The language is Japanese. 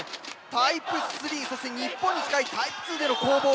タイプ３そして日本に近いタイプ２での攻防が続きます。